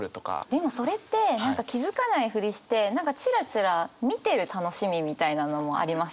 でもそれって何か気付かないふりしてチラチラ見てる楽しみみたいなのもありません？